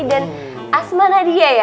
dan asma nadia ya